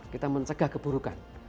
kita mencegah keburukan